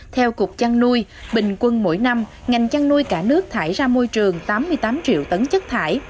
theo cục chăn nuôi bình quân mỗi năm ngành chăn nuôi cả nước thải ra môi trường tám mươi tám triệu tấn chất thải